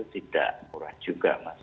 tidak murah juga mas